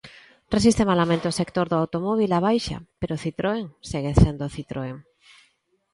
Resiste malamente o sector do automóbil, á baixa, pero Citroën segue sendo Citroën.